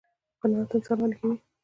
قناعت انسان غني کوي.